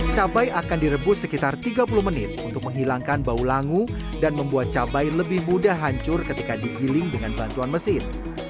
cabai akan direbus sekitar tiga puluh menit untuk menghilangkan bau langu dan membuat cabai lebih mudah hancur ketika digiling dengan bantuan mesin